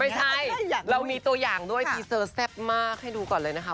ไม่ใช่เรามีตัวอย่างด้วยทีเซอร์แซ่บมากให้ดูก่อนเลยนะคะ